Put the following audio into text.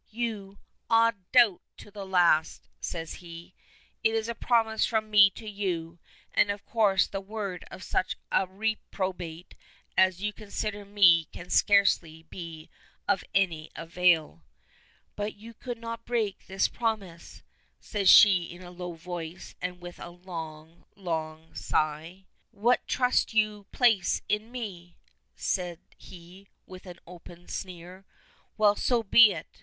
"You " "Ah! doubt to the last," says he. "It is a promise from me to you, and of course the word of such a reprobate as you consider me can scarcely be of any avail." "But you could not break this promise?" says she in a low voice, and with a long, long sigh. "What trust you place in me!" said he, with an open sneer "Well, so be it.